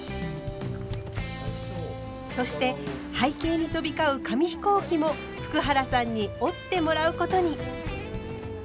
そして背景に飛び交う紙飛行機も福原さんに折ってもらうことに。